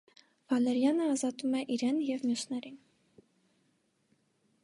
Վալերիանը ազատում է իրեն և մյուսներին։